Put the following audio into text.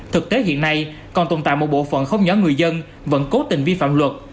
thực tế hiện nay còn tồn tại một bộ phận không nhỏ người dân vẫn cố tình vi phạm luật